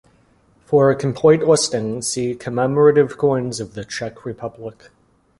For a complete listing see Commemorative coins of the Czech Republic.